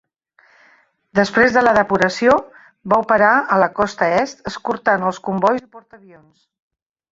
Després de la depuració, va operar a la costa est escortant els combois i portaavions.